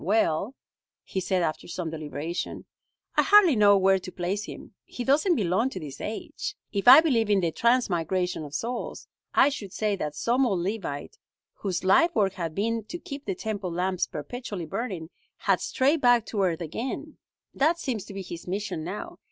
"Well," he said after some deliberation, "I hardly know where to place him. He doesn't belong to this age. If I believed in the transmigration of souls, I should say that some old Levite, whose life work had been to keep the Temple lamps perpetually burning, had strayed back to earth again. "That seems to be his mission now.